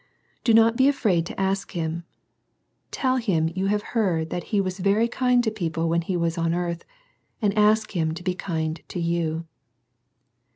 Do not be afraid to ask Him. Tell Him you have heard that He was very kind to people when He was on earth, ^d ask Him to be kind to you.